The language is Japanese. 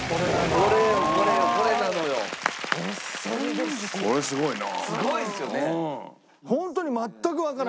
これすごいな。